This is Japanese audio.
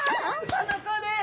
この子です。